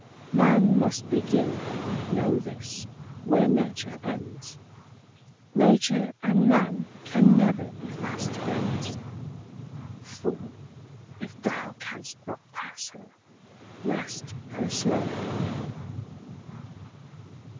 Man must begin, know this, where Nature ends; Nature and man can never be fast friends. Fool, if thou canst not pass her, rest her slave!